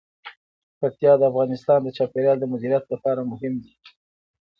پکتیا د افغانستان د چاپیریال د مدیریت لپاره مهم دي.